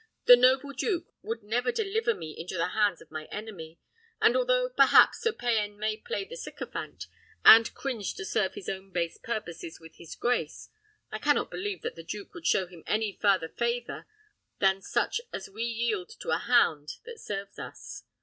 "The noble duke would never deliver me into the hands of my enemy; and although, perhaps, Sir Payan may play the sycophant, and cringe to serve his own base purposes with his grace, I cannot believe that the duke would show him any farther favour than such as we yield to a hound that serves us.